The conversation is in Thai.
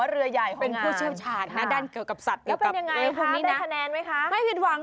อ๋อรุ่นใหญ่มาเอง